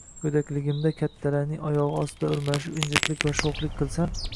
Goʻdakligimda kattalarning oyogʻi ostida oʻralashib, injiqlik yoki shoʻxlik qilsam